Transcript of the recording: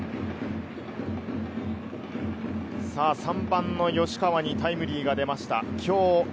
３番の吉川にタイムリーが出ました。